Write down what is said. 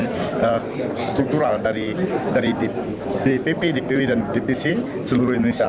dan itu adalah dari dpp dpw dan dpc seluruh indonesia